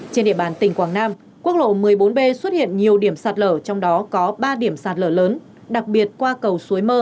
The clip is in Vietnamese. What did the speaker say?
trên địa bàn tỉnh quảng nam quốc lộ một mươi bốn b xuất hiện nhiều điểm sạt lở trong đó có ba điểm sạt lở lớn đặc biệt qua cầu suối mơ